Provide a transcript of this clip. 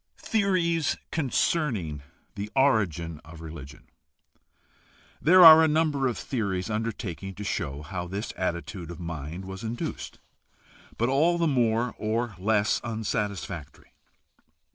c) Theories concerning the origin of religion. — There are a number of theories undertaking to show how this attitude of mind was induced, but all are more or less unsatisfactory.